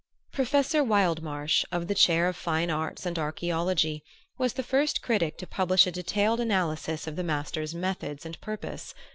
Professor Wildmarsh, of the chair of Fine Arts and Archaeology, was the first critic to publish a detailed analysis of the master's methods and purpose.